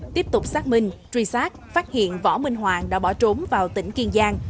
tiếp tục xác minh truy sát phát hiện võ minh hoàng đã bỏ trốn vào tỉnh kiên giang